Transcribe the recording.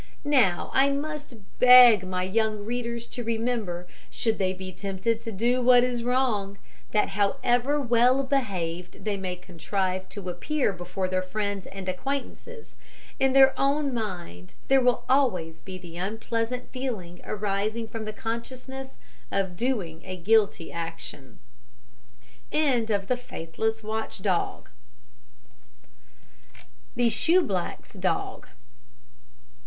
Now I must beg my young readers to remember, should they be tempted to do what is wrong, that however well behaved they may contrive to appear before their friends and acquaintances, in their own mind there will always be the unpleasant feeling arising from the consciousness of doing a guilty action. THE SHOEBLACK'S DOG.